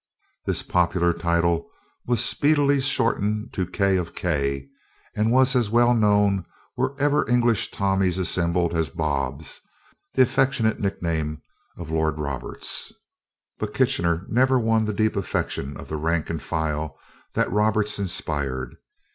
This popular title was speedily shortened to "K of K," and was as well known wherever English Tommies assembled as "Bobs," the affectionate nickname of Lord Roberts. But Kitchener never won the deep affection of the rank and file, that Roberts inspired.